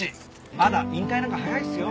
まだ引退なんか早いですよ。